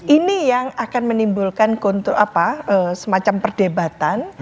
ini yang akan menimbulkan semacam perdebatan